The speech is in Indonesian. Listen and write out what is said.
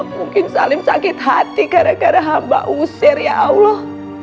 mungkin salim sakit hati karena kara hamba ngusir ya allah